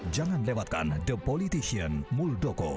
jangan lewatkan the politician muldoko